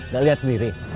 gak lihat sendiri